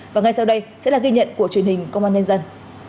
và ngay sau đây sẽ là ghi nhận của truyền hình công an nhân dân